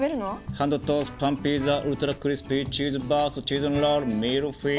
ハンドトスパンピザウルトラクリスピーチーズバーストチーズンロールミルフィーユ。